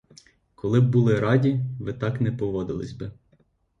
Коли б були раді, ви так не поводились би.